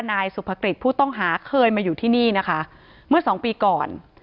นายสุภกฤษผู้ต้องหาเคยมาอยู่ที่นี่นะคะเมื่อสองปีก่อน